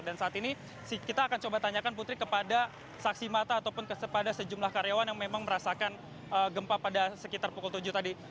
dan saat ini kita akan coba tanyakan putri kepada saksi mata ataupun kepada sejumlah karyawan yang memang merasakan gempa pada sekitar pukul tujuh tadi